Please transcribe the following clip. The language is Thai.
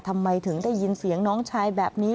ทำไมถึงได้ยินเสียงน้องชายแบบนี้